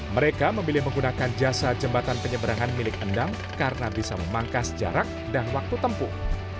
mereka memilih menggunakan jasa jembatan penyeberangan milik endang karena bisa memangkas jarak dan waktu tempuh